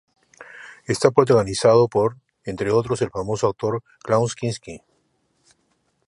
Está protagonizado por, entre otros, el famoso actor Klaus Kinski.